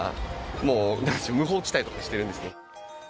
もう無法地帯と化してるんですね。